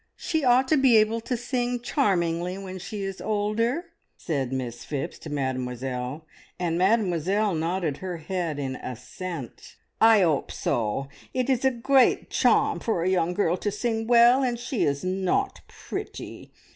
She ought to be able to sing charmingly when she is older," said Miss Phipps to Mademoiselle, and Mademoiselle nodded her head in assent. "I 'ope so! It is a great charm for a young girl to sing well, and she is not pretty.